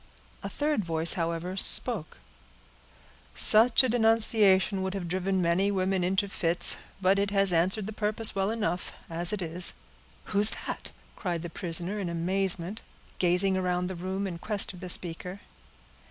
A third voice, however, spoke,— "Such a denunciation would have driven many women into fits; but it has answered the purpose well enough, as it is." "Who's that?" cried the prisoner, in amazement, gazing around the room in quest of the speaker.